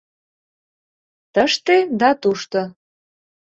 — Тыште да тушто!